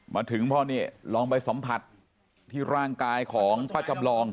มาถึงพ่อนี่ลองไปสัมผัสที่ร่างกายของป้าจำลอง